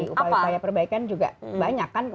upaya upaya perbaikan juga banyak kan